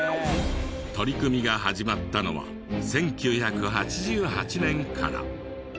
取り組みが始まったのは１９８８年から。